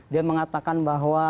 dia mengatakan bahwa